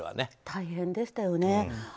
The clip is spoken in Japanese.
大変でしたよね。